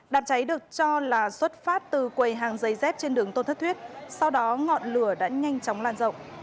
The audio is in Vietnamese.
đám cháy được cho là xuất phát từ quầy hàng giày dép trên đường tôn thất thuyết sau đó ngọn lửa đã nhanh chóng lan rộng